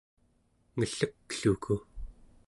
ngellekluku